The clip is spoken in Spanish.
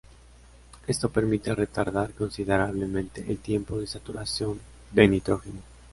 Esto permite retardar considerablemente el tiempo de saturación de nitrógeno.